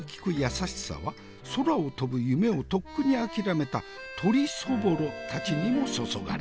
優しさは空を飛ぶ夢をとっくに諦めた鶏そぼろたちにも注がれる。